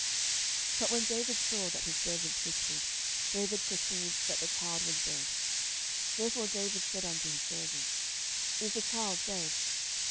10:012:019 But when David saw that his servants whispered, David perceived that the child was dead: therefore David said unto his servants, Is the child dead?